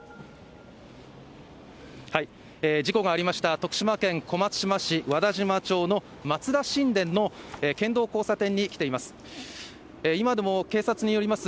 事故がありました徳島県小松島市和田島町の松田新田の県道交差点に来ています。